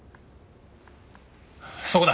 そこだ。